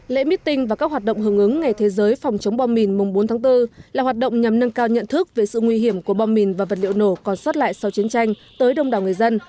lễ meeting và các hoạt động hưởng ứng ngày thế giới phòng chống bom mìn mùng bốn tháng bốn là hoạt động nhằm nâng cao nhận thức về sự nguy hiểm của bom mìn và vật liệu nổ còn sót lại sau chiến tranh tới đông đảo người dân